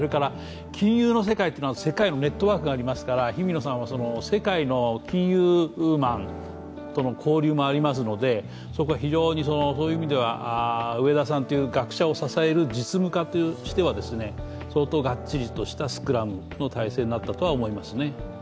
金融の世界は世界のネットワークがありますから、氷見野さんは世界の金融マンとの交流もありますので、そこが非常に植田さんという学者を支える実務家としては相当がっちりとしたスクラムの体制になったとは思います。